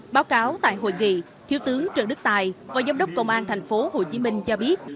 báo cáo tại hội nghị thiếu tướng trần đức tài và giám đốc công an tp hcm cho biết